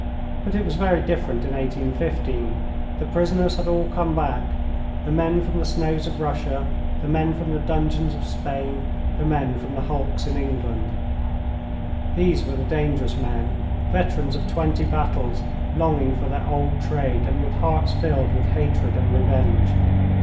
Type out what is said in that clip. But it was very different in 1815. The prisoners had all come back the men from the snows of Russia, the men from the dungeons of Spain, the men from the hulks in England. These were the dangerous men, veterans of twenty battles, longing for their old trade, and with hearts filled with hatred and revenge.